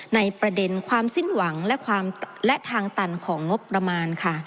ในประเด็นความสิ้นหวังและทางตันของงบประมาณค่ะ